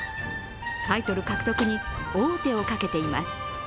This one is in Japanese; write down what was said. タイトル獲得に王手をかけています。